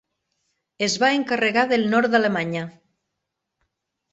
Es va encarregar del nord d'Alemanya.